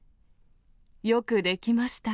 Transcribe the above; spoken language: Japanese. よくできました。